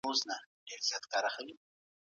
د پښتنو او دري ژبو ترمنځ د تاریخي، فرهنګي او